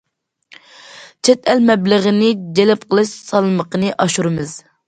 چەت ئەل مەبلىغىنى جەلپ قىلىش سالمىقىنى ئاشۇرىمىز.